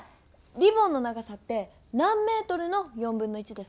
リボンの長さって何メートルの1/4ですか？